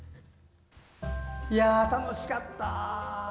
いやー、楽しかった！